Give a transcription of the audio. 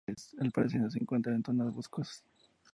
Al parecer no se encuentra en zonas boscosas.